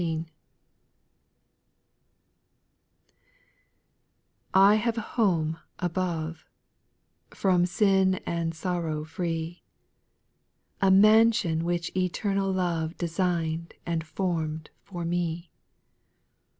T HAVE a home above, X From sin and sorrow free ; A mansion which eternal love Pesign'd and form'd for me.